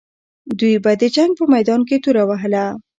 دوی به د جنګ په میدان کې توره وهله.